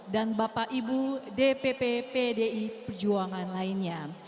dan bapak ibu dpp pdi perjuangan lainnya